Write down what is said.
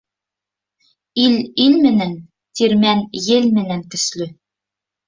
Ил ил менән, тирмән ел менән көслө.